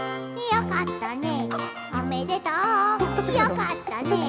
「よかったね」